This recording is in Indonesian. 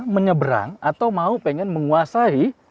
menyeberang atau mau pengen menguasai